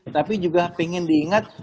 tapi juga pingin diingat